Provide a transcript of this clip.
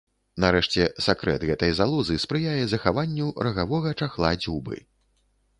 Нарэшце, сакрэт гэтай залозы спрыяе захаванню рагавога чахла дзюбы.